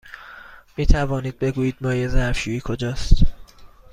می توانید بگویید مایع ظرف شویی کجاست؟